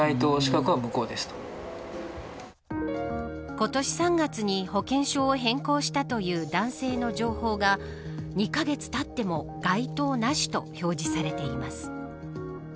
今年３月に保険証を変更したという男性の情報が２カ月たっても該当なしと表示されています。